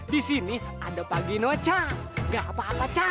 di sini ada pagi nocah gak apa apa cah